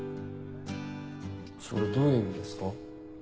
それどういう意味ですか？